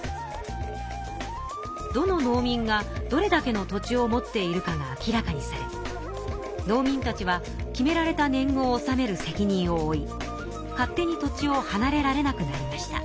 どの農民がどれだけの土地を持っているかが明らかにされ農民たちは決められた年ぐをおさめる責任を負い勝手に土地をはなれられなくなりました。